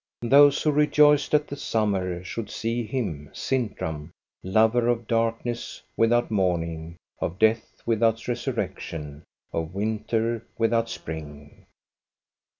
Those who rejoiced at the summer should see him, Sintram, lover of darkness without morning, of death without resurrection, of winter without spring.